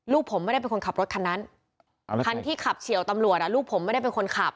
ลูกผมไม่ได้เป็นคนขับรถคันนั้นคันที่ขับเฉียวตำรวจลูกผมไม่ได้เป็นคนขับ